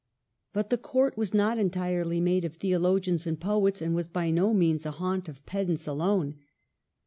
But the court was not entirely made of theologians and poets, and was by no means a haunt of pedants alone.